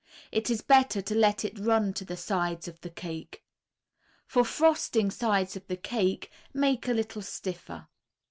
It is better to let it run to the sides of the cake. For frosting sides of the cake, make a little stiffer.